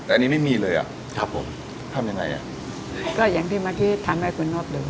แต่อันนี้ไม่มีเลยอ่ะครับผมทำยังไงอ่ะก็อย่างที่เมื่อกี้ทำให้คนรอบหนึ่ง